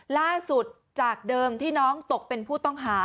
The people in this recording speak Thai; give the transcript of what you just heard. จากเดิมที่น้องตกเป็นผู้ต้องหา